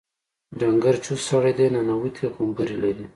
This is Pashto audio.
ډنګر چوست سړی دی ننوتي غومبري لري.